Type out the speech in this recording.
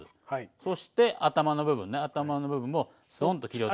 そして頭の部分ね頭の部分をストンと切り落とす。